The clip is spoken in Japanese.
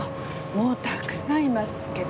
もうたくさんいますけど。